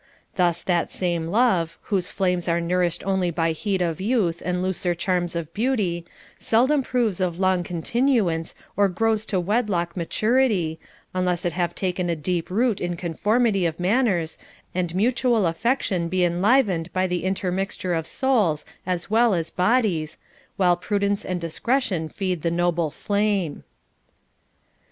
Thus that same love, whose flames are nourished only by heat of youth and looser charms of beauty, sel dom proves of long continuance or grows to wedlock maturity, unless it have taken a deep root in conformity of manners, and mutual affection be enlivened by the intermixture of souls as well as bodies, while prudence and discretion feed the noble flame.